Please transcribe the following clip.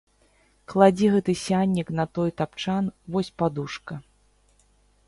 Кладзі гэты сяннік на той тапчан, вось падушка.